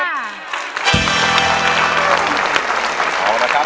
ไม่ใช้ค่ะ